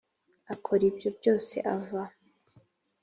Akora ibyo byose ava